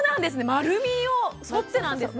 丸みを沿ってなんですね。